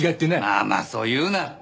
まあまあそう言うなって。